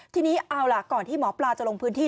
ทีนี้เอาล่ะก่อนที่หมอปลาจะลงพื้นที่